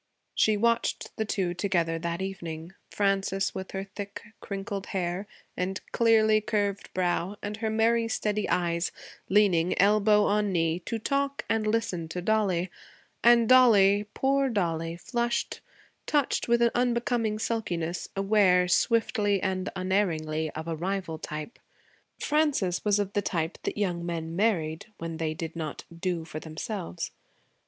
She watched the two together that evening Frances with her thick, crinkled hair and clearly curved brow and her merry, steady eyes, leaning, elbow on knee, to talk and listen to Dollie; and Dollie, poor Dollie, flushed, touched with an unbecoming sulkiness, aware, swiftly and unerringly, of a rival type. Frances was of the type that young men married when they did not 'do for themselves.'